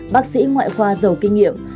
bác sĩ ngoại khoa giàu kinh nghiệm